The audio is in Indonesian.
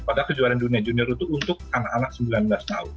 padahal kejuaraan dunia junior itu untuk anak anak sembilan belas tahun